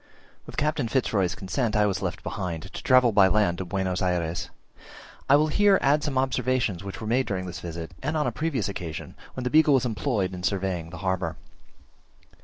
With Captain Fitz Roy's consent I was left behind, to travel by land to Buenos Ayres. I will here add some observations, which were made during this visit and on a previous occasion, when the Beagle was employed in surveying the harbour.